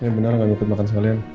iya benar gak ngikut makan sama kalian